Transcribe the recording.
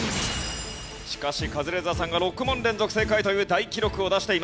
しかしカズレーザーさんが６問連続正解という大記録を出しています。